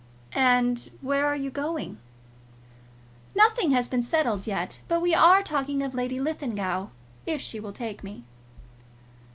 "And where are you going?" "Nothing has been settled yet; but we are talking of Lady Linlithgow, if she will take me."